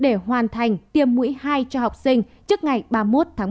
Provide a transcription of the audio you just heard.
để hoàn thành tiêm mũi hai cho học sinh trước ngày ba mươi một tháng một mươi hai